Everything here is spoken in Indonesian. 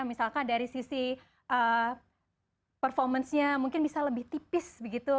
misalkan dari sisi performance nya mungkin bisa lebih tipis begitu